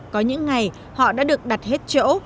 có những ngày họ đã được đặt hết chỗ